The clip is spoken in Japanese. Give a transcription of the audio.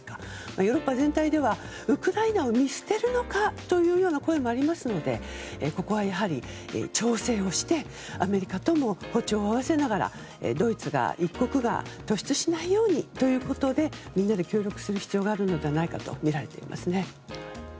ヨーロッパ全体ではウクライナを見捨てるのかというような声もありますのでここは、やはり挑戦をしてアメリカとも歩調を合わせながらドイツ一国が突出しないようにということで皆で協力する必要があるのではないかとみられています。